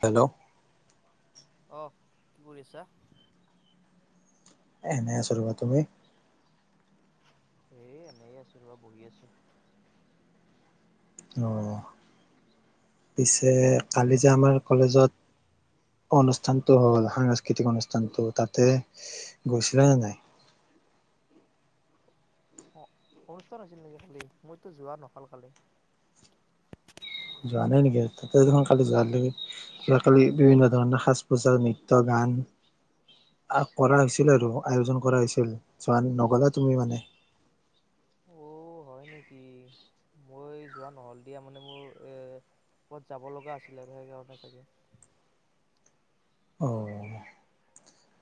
Hello. আহ কি কৰি আছা এনে আছ ৰবা তুমি এ এনেই আছো ৰবা বহি আছো অ', পিছে কালি যে আমাৰ কলেজত অনুষ্ঠানটো হ'ল সাংস্কৃতিক অনুষ্ঠানটো তাতে গৈছিলা নে নাই? অ অনুষ্ঠান হৈছিল নেকি খালি মইতো যোৱা নহাল কালি যোৱা নাই নেকি তাতে দে কালি যোৱৈকে যোৱ কালি বিভিন্ন ধৰণৰ সাজ পোজা নৃত্যয় গান কৰা হৈছিল আৰু আয়োজন কৰা হৈছিল যোৱা নগলা তুমি মানে অ হয় নেকি? মই যোৱা নহল দিয়া মানে মোৰ এ কত যাব লগা আছিলে সেই কাৰণে চাগে [unintelligible] অহ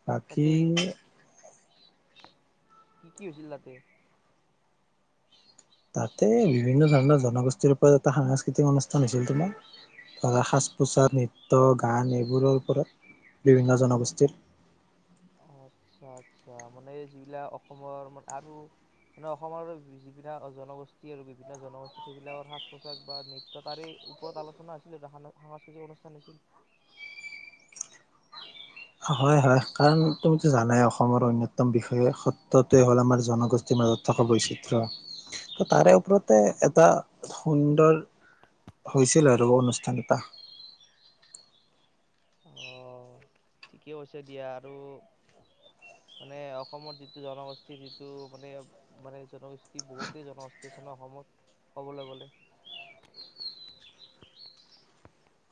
বাকী তাতে কি কি হৈছিল তাতে তাতে বিভিন্ন ধৰণৰ জনগোষ্ঠীৰ ওপৰত এটা সাংস্কৃতিক অনুষ্ঠান হৈছিল তোমাৰ। ধৰা সাজ- পোছাক নৃত্য -গান এইবোৰৰ ওপৰত বিভিন্ন জনগোষ্ঠীৰ আচ্ছা আচ্ছা মানে যিবিলাক অসমৰ মানে আৰু মানে অসমৰ যিবিলাক জনগোষ্ঠী আৰু বিভিন্ন জনগোষ্ঠী সেইবিলাকৰ সাজ পোছাক বা নৃত্য তাৰে ওপৰত আলোচনা হৈছিল আৰু সাংস্কৃতিক অনুষ্ঠান হৈছিল হয় হয় কাৰণ তুমিতো জানাই অসমৰ অন্যতম বিষয়ে সত্যটে হ'ল আমাৰ জনগোষ্ঠীৰ মাজত থকা বৈচিত্ৰ্য। তাৰে ওপৰতে এটা সুন্দৰ হৈছিল আৰু অনুষ্ঠান এটা। ঠিকেই কৈছা দিয়া আৰু মানে অসমত যিটো জনগোষ্ঠী যিটো মানে মানে জনগোষ্ঠী বহুতেই জনগোষ্ঠী আছে নহ অসমত ক'বলৈ গ'লে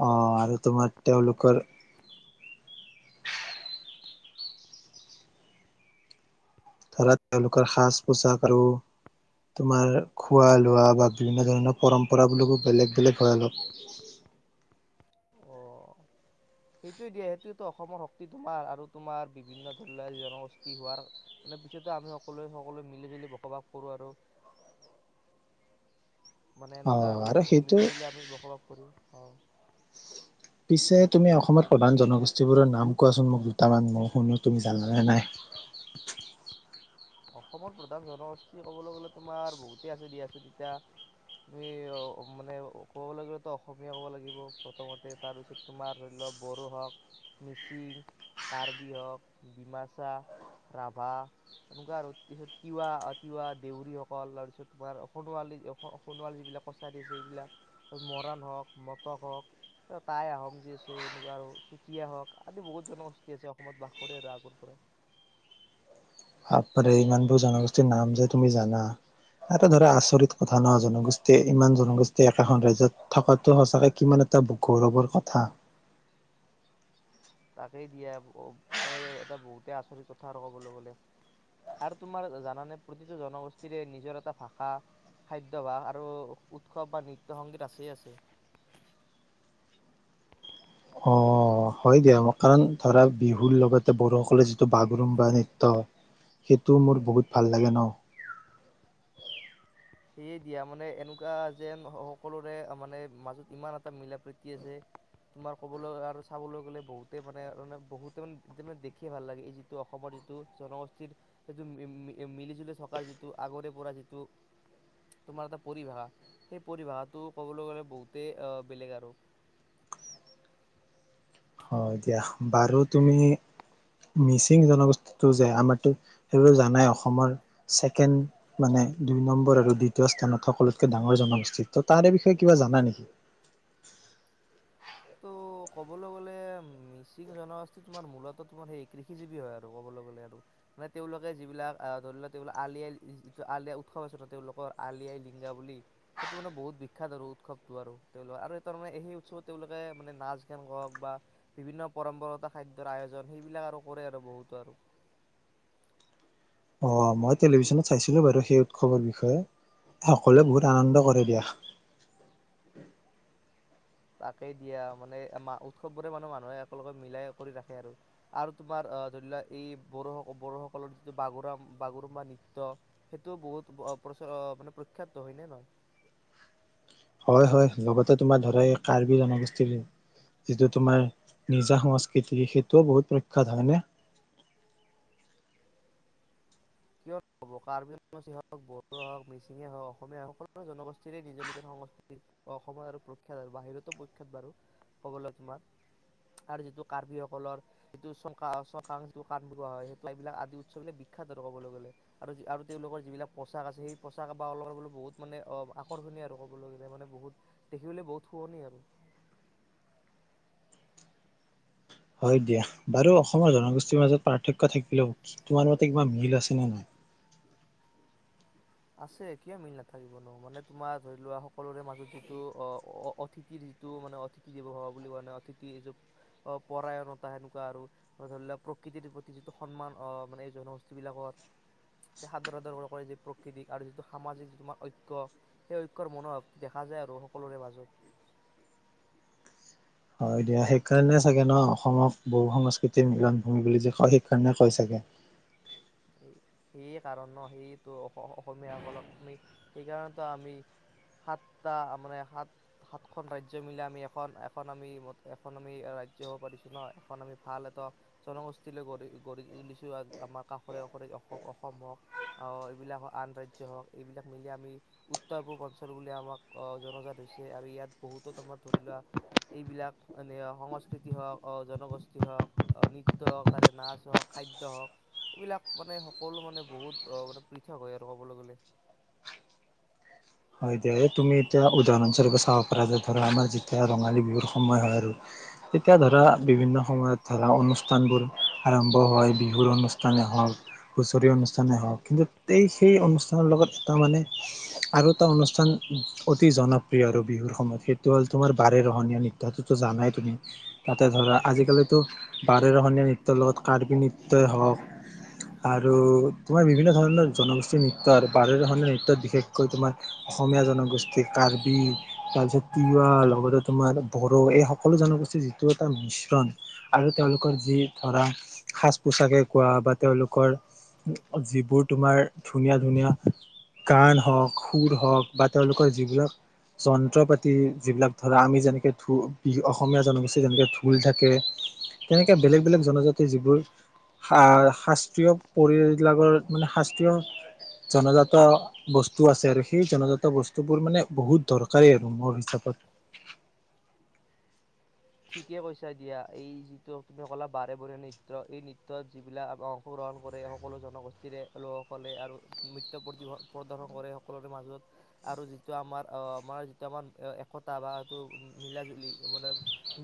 অহ আৰু তোমাৰ তেওঁলোকৰ ধৰা তেওঁলোকৰ সাজ -পোচাক আৰু তোমাৰ খোৱা লোৱা বা বিভিন্ন ধৰণৰ পৰম্পৰা বোৰ বেলেগ বেলেগ হয় অলপ অ' সেইটোৱে দিয়ে সেইটো অসমৰ শক্তি তোমাৰ আৰু তোমাৰ বিভিন্ন ধৰি লোৱা জনগোষ্ঠী হোৱাৰ মানে পিছতো আমি সকলোৱে সকলোৱে মিলি জুলি বসবাস কৰো আৰু মানে অ এনেকুৱা আৰু মানে সেইটো মিলি জুলি আমি বসবাস কৰো হয় পিছে তুমি অসমত প্ৰধান জনগোষ্ঠীবোৰৰ নাম কোৱাচোন মোক দুটামান মই শুনো তুমি জানানে নাই? অসমত প্ৰধান জনগোষ্ঠী ক'বলৈ গ'লে তোমাৰ বহুতে আছে দিয়াচোন তেতিয়া তুমি মানে ক'বলৈ গলে‌ অসমীয়া ক'ব লাগিব প্ৰথমতে তাৰপিছত তোমাৰ ধৰি লোৱা বড়ো হওঁক মিচিং, কাৰ্বি হওঁক ডিমাচা, ৰাভা এনেকুৱা আৰু তাৰপিছত তিৱা তিৱা দেউৰীসকল তাৰপিছত তোমাৰ সোণোৱালী সোণোৱাল যিবিলাক কছাৰী আছে এইবিলাক মৰাণ হওক মটক হওক টাই আহোম যি আছে এনেকুৱা আৰু চুতীয়া হওক আদি বহুত জনগোষ্ঠী আছে অসমত বাস কৰে আৰু আগৰ পৰাই। বাপৰে ইমানবোৰ জনগোষ্ঠীৰ নাম যে তুমি জানা এটা ধৰা আচৰিত কথা নহ জনগোষ্ঠীয়ে ইমান জনগোষ্ঠী একেখন ৰাজ্যত থকাতো সঁচাকে কিমান এটা গৌৰৱৰ কথা। তাকেই দিয়া মানে এটা বহুতে আচৰিত কথা আৰু ক'বলৈ গলে আৰু তোমাৰ জানানে প্ৰতিটো জনগোষ্ঠীৰে নিজৰ এটা ভাষা খাদ্য ভাস আৰু উৎসৱ বা নৃত্যৰ সংগীত আছেই আছেই অহ হয় দিয়া মই কাৰণ ধৰা বিহুৰ লগতে বড়োসকলে যিটো বাগৰুম বা নৃত্য‌সেইটো মোৰ বহুত ভাল লাগে নহ সেয়ে দিয়া মানে এনেকুৱা যেন সকলোৰে মানে মাজত ইমান এটা মিলা প্ৰীতি আছে তোমাৰ ক'বলৈ আৰু চাবলৈ গলে বহুতে মানে বহুতে মানে দেখি ভাল লাগে এই যিটো অসমৰ যিটো জনগোষ্ঠীৰ সিটো মিলি জুলি থকাৰ যিটো আগৰে পৰা যিটো তোমাৰ এটা পৰিভাষা, সেই পৰিভাষাটো ক'বলৈ গ'লে বহুতেই বেলেগ আৰু হয় দিয়া বাৰু তুমি মিচিং জনগোষ্ঠীটো যে আমাৰো সেইটো জানাই অসমৰ ছেকেণ্ড মানে দুই নম্বৰ আৰু দ্বিতীয় স্থানত সকলোতকে ডাঙৰ জনগোষ্ঠী। তহ তাৰে বিষয়ে কিবা জানা নেকি? ত' ক'বলৈ গ'লে মিচিং জনগোষ্ঠী তোমাৰ মূলত তোমাৰ সেই কৃষিজীৱী হয় আৰু ক'বলৈ গ'লে আৰু মানে তেওঁলোকে যিবিলাক ধৰি লোৱা আলি আই যিটো আলিয়াই উৎসৱ আছে নহ তেওঁলোকৰ আলি আই লৃগাং বুলি সেইটো মানে বহুত বিখ্যাত আৰু উৎসৱতটো আৰু তেওঁলোকৰ আৰু তাৰ মানে সেই উৎসৱত তেওঁলোকে মানে নাচ গান কওক বা বিভিন্ন পৰম্পৰাগত খাদ্যৰ আয়োজন সেইবিলাক আৰু কৰে আৰু বহুতৰ আৰু অহ মই টেলিভিশনত চাইছিলোঁ বাৰু সেই উৎসৱৰ বিষয়ে সকলোৱে বহুত আনন্দ কৰে দিয়া তাকে দিয়া মানে উৎসৱবোৰে মানুহ মানুহে একেলগে মিলাই কৰি ৰাখে আৰু আৰু তোমাৰ আহ ধৰি লোৱা এই বড়োস বড়োসকলৰ যিটো বাগুৰাম বাগুৰুম বা নৃত্য সেইটো‌ বহুত প্ৰচাৰ মানে প্ৰখ্যাত হয়নে নহয় হয় হয় লগতে তোমাৰ ধৰা এই কাৰ্বি জনগোষ্ঠীৰ যিটো তোমাৰ নিজা সংস্কৃতি সেইটোও বহুত প্ৰখ্যাত হয়নে? কিয় নহ'ব কাৰ্বি হওক বড়ো হওক মিচিঙে হওক অসমীয়া হওক সকলো জনগোষ্ঠীৰে নিজৰ নিজৰ সংস্কৃতি অসমত আৰু প্ৰখ্যাত আৰু বাহিৰতো প্ৰখ্যাত বাৰু ক'বলৈ তোমাৰ আৰু যিটো কাৰ্বি সকলৰ যিটো চ চকাং যিটো কাৰ্বি হয় সেই এইবিলাক আদি উৎসৱবিলাক বিখ্যাত ক'বলৈ গ'লে আৰু আৰু তেওঁলোকৰ যিবিলাক পোচাক আছে সেই পোচাক বা অলংকাৰ বোৰ বহুত মানে আকৰ্ষণীয় আৰু কবলৈ গ'লে মানে বহুত দেখিবলৈ বহুত শুৱনি আৰু হয় দিয়া বাৰু অসমৰ জনগোষ্ঠীৰ মাজত পাৰ্থক্য থাকিলেও তোমাৰ মতে কিবা মিল আছে নে নাই? আছে কিয় মিল নাথাকিব নু মানে তোমাৰ ধৰি লোৱা সকলোৰে মাজত যিটো অহ অতিথিৰ যিটো মানে অতিথি দেৱ ভাবা বুলি কোৱা নহ অতিথি এইটো পৰায়নতা সেনেকুৱা আৰু ধৰি লোৱা প্ৰকৃতিৰ প্ৰতি যিটো সন্মান অহ মানে এই জনগোষ্ঠী বিলাকৰ সাদৰ‌ সাদৰ‌ কৰে যে প্ৰাকৃতিক আৰু যিটো সামাজিক যিটো তোমাৰ ঐক্য সেই ঐক্যৰ মনোভাৱ দেখা যায় আৰু সকলোৰে মাজত হয় দিয়া সেইকাৰণে চাগে নহ অসমক বহু সংস্কৃতিৰ মিলন ভূমি বুলি যে কয় সেইকাৰণে কয় চাগে। সেই কাৰণ‌ সেইটো অসমীয়াসকলক আমি সেইকাৰণেতো আমি সাতটা মানে সাত সাতখন ৰাজ্য মিলি আমি এখন এখন আমি এখন আমি ৰাজ্য হব পাৰিছো ন এখন আমি ভাল এটা জনগোষ্ঠীলৈৈ গঢ়ি গঢ়ি তুলিছো আমাৰ কাষ কৰে কৰে অসম হওক আহ এইবিলাক আন ৰাজ্যৰ হওক এইবিলাক মিলি আমি উত্তৰ পূব অঞ্চল বুলি আমাক অহ জনজাত হৈছে আৰু ইয়াত বহুতো‌ আমাৰ ধৰি লোৱা এইবিলাক অহ সংস্কৃতি হওক অহ জনগোষ্ঠী হওক নৃত্য হওক তাৰে নাচ হওক খাদ্য হওক এইবিলাক মানে সকলো মানে বহুত অহ মানে পৃথক হয় আৰু ক'বলৈ গ'লে হয় দিয়া এতিয়া এই তুমি এতিয়া উদাহৰণস্বৰূপে চাব পাৰা যে ধৰা আমাৰ যেতিয়া ৰঙালী বিহুৰ সময় হয় আৰু তেতিয়া ধৰা বিভিন্ন সময়ত ধৰা অনুষ্ঠানবোৰ আৰম্ভ হয় বিহুৰ অনুষ্ঠানেই হওক, হুঁচৰি অনুষ্ঠানেই হওক কিন্তু এই সেই অনুষ্ঠানৰ লগত এটা মানে আৰু এটা অনুষ্ঠান অতি জনপ্ৰিয় আৰু বিহুৰ সময়ত সেইটো হ'ল তোমাৰ বাৰেৰহণীয়া নৃত্যটোতো জানাই তুমি তাতে ধৰা আজিকালিতো বাৰেৰহনীয়া নৃত্যৰ লগত কাৰ্বি নৃত্যই হওঁক আৰু তোমাৰ বিভিন্ন ধৰণৰ জনগোষ্ঠীৰ নৃত্য আৰু বাৰেৰহনীয়া নৃত্যত বিশেষকৈ তোমাৰ অসমীয়া জনগোষ্ঠী কাৰ্বি তাৰপিছত তিৱা লগতে তোমাৰ বড়ো এই সকলো জনগোষ্ঠীৰ যিটো এটা মিশ্ৰণ আৰু তেওঁলোকৰ যি ধৰা সাজ -পোচাকে কোৱা বা তেওঁলোকৰ যিবোৰ তোমাৰ ধুনীয়া ধুনীয়া গান হওক সুৰ হওক বা তেওঁলোকৰ যিবিলাক যন্ত্ৰ পাতি যিবিলাক ধৰা আমি যেনেকু‌ অসমীয়া জনগোষ্ঠীৰ যেনেকে ঢোল থাকে তেনেকে বেলেগ বেলেগ জনজাতিৰ যিবোৰ শাস্ত্ৰীয় পৰিলাগৰবিলাকৰ মানে শাস্ত্ৰীয় জনজাত বস্তু আছে আৰু সেই জনজাত বস্তুবোৰ মানে বহুত দৰকাৰী আৰু মোৰ হিচাপত ঠিকে কৈছা দিয়া এই যিটো তুমি কলা বাৰেবৰণীয়া নৃত্য এই নৃত্যত যিবিলাক অংশগ্ৰহণ কৰে সকলো জনগোষ্ঠীৰে লোকসকলে আৰু নৃত্য প্ৰদৰ্শন কৰে সকলোৰে মাজত আৰু যিটো আমাৰ অহ আমাৰ যিটো আমাৰ একতা বা এইটো মিলা জুলি মানে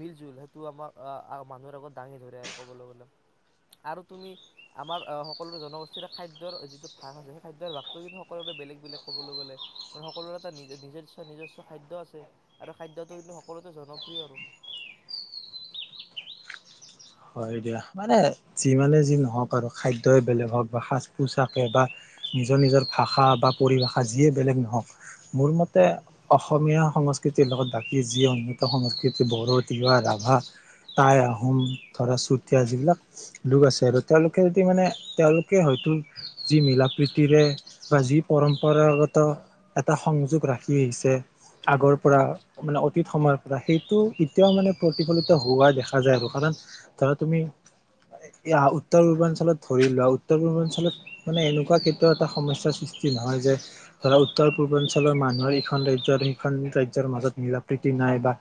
মিল জুল সেইটো আমাৰ মানুহৰ আগত দাঙি ধৰে আৰু ক'বলৈ গলে আৰু তুমি আমাৰ সকলোৰে জনগোষ্ঠীৰে খাদ্যৰ যিটো ভাগ আছে সেই খাদ্যৰ ভাগটো কিন্তু সকলোৰে বেলেগ বেলেগ কবলৈ গ'লে মান সকলোৰে এটা নিজস্ব নিজস্ব খাদ্য আছে আৰু খাদ্যটো কিন্তু সকলোতে জনপ্ৰিয় আৰু হয় দিয়া মানে যিমানে যি নহওক আৰু খাদ্যই বেলেগ হওক বা সাজ পোছাকে বা নিজৰ নিজৰ ভাষা বা পৰিভাষা যিয়ে বেলেগ নহওক মোৰ মতে অসমীয়া সংস্কৃতিৰ লগত বাকী যি অন্যতম সংস্কৃতি বড়ো, তিৱা, ৰাভা, টাই, আহোম ধৰা চুতীয়া যিবিলাক লোক আছে আৰু তেওঁলোকে যদি মানে তেওঁলোকে হয়তো যি মিল প্ৰীতিৰে বা যি পৰম্পৰাগত এটা সংযোগ ৰাখি আহিছে আগৰ পৰা মানে অতীত সময়ৰ পৰা সেইটো এতিয়াও মানে প্ৰতিফলিত হোৱা দেখা যায় আৰু কাৰণ ধৰা তুমি উত্তৰ পূৰ্বাঞ্চলত ধৰি লোৱা উত্তৰ পূৰ্বাঞ্চলত মানে এনেকুৱা কেতিয়াও এটা সমস্যাৰ সৃষ্টি নহয় যে ধৰা উত্তৰ পূৰ্বাঞ্চলৰ মানুহৰ ইখন ৰাজ্যত সিখন ৰাজ্যৰ মাজত মিল প্ৰীতি নাই বা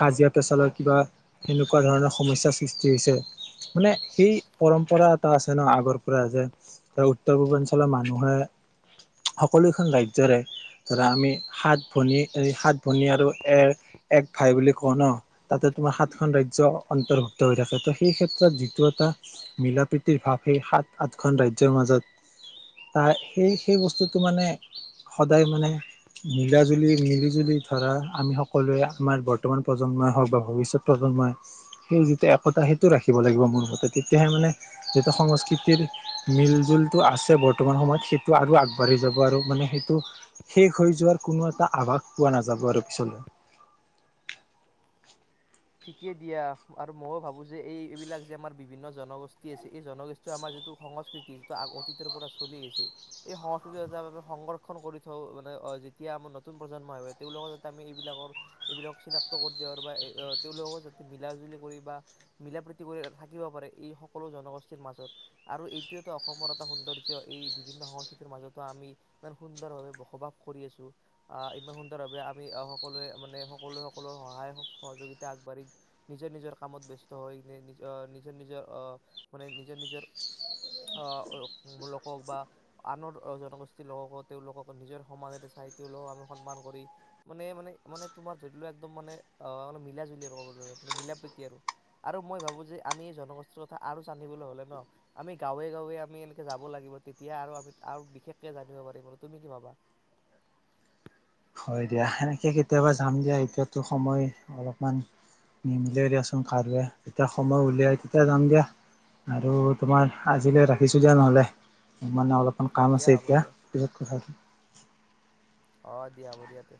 কাজিয়া -পেচালৰ কিবা সেনেকুৱা ধৰণৰ সমস্যা সৃষ্টি হৈছে মানে সেই পৰম্পৰা এটা আছে ন আগৰ পৰা যে ধৰা উত্তৰ পূৰ্বাঞ্চলৰ মানুহে সকলোখন ৰাজ্যৰে ধৰা আমি সাত ভনী এই সাত ভনী আৰু এ এক ভাই বুলি কওঁ নহ তাতে তোমাৰ সাতখন ৰাজ্য অন্তৰ্ভুক্ত হৈ থাকে তো সেই ক্ষেত্ৰত যিটো এটা মিলা প্ৰীতিৰ ভাৱ সেই সাত আঠখন ৰাজ্যৰ মাজত ত সেই সেই বস্তুটো মানে সদায় মানে মিলা জুলি মিলিজুলি ধৰা আমি সকলোৱে আমাৰ বৰ্তমান প্ৰজন্মই হওক বা ভৱিষ্যত প্ৰজন্মই সেই একতা সেইটো ৰাখিব লাগিব মোৰ মতে তেতিয়াহে মানে যিটো সংস্কৃতিৰ মিল জুলটো আছে বৰ্তমান সময়ত সেইটো আৰু আগবাঢ়ি যাব আৰু মানে সেইটো শেষ হৈ যোৱাৰ কোনো এটা আভাস পোৱা নাযাব আৰু পিছলৈ ঠিকে দিয়া আৰু ময়ো ভাবো যে এইবিলাক যে আমাৰ বিভিন্ন জনগো, ষ্ঠী আছে এই জনগোষ্ঠী আমাৰ যিটো সংস্কৃতি, যিটো অতীতৰ পৰা চলি আহিছে এই সংস্কৃতি য আমি সংৰক্ষন কৰি থওঁ মানে যেতিয়া আমাৰ নতুন প্ৰজন্মই হয় তেওঁলোকক যাতে আমি এইবিলাকৰ এইবিলাক চিনাক্ত কৰি দিয়া আৰু বা তেওঁলোককো যাতে মিলাাজুলি কৰি বা মিলা প্ৰীতি কৰি থাকিব পাৰে এই সকলো জনগোষ্ঠীৰ মাজত আৰু এইটোৱেতো অসমৰ এটা সৌন্দৰ্য্য এই বিভিন্ন সংস্কৃতিৰ মাজতো আমি ইমান সুন্দৰভাৱে বসবাস কৰি আছো আহ ইমান সুন্দৰভাৱে আমি সকলোৱে মানে সকলোৱে সকলোৰে সহায় সহযোগিত আগবাঢ়ি নিজৰ নিজৰ কামত ব্যাস্ত হৈজ নিজৰ নিজৰ আহ মানে নিজৰ নিজৰ আহ লোকক বা আনৰ জনগোষ্ঠীৰ লোককো তেওঁলোকক নিজৰ সমাজটা চাই তেওঁলোকক আমি সন্মান কৰি মানে মানে মানে তোমাৰ ধৰি লও একদম মানোন মিলা মিলা প্ৰতি আৰু আৰু মই ভাবো যে আমি জনগোষ্ঠীৰ কথা আৰু জানিবলৈ হলে ন আমি গাঁৱে গাঁৱে আমি এনেকে যাব লাগিব তেতিয়া আৰু আমি আৰু বিশেষকে জানিব পাৰিম আৰু তুমি কি ভাবা হয় দিয়া সেনেকে কেতিয়াবা যাম দিয়া এতিয়াতো সময় অলপমান নিমিলি দিয়াচোন কাৰে যেতিয়া সময় উলিয়াই তেতিয়া যাম দিয়া। আৰু তোমাৰ আজিলৈ ৰাখিছো দিয়া নহ'লে মানে অলপ অকণ কাম দিয়া আছে হ'ব এতিয়া দিয়া পিছত কথা পাতিম। অ দিয়া ব দিয়াতে